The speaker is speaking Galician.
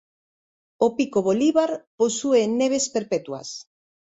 O Pico Bolívar posúe neves perpetuas.